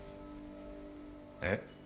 えっ？